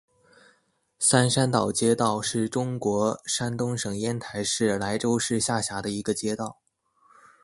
三山岛街道是中国山东省烟台市莱州市下辖的一个街道。